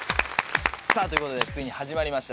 さあということでついに始まりました。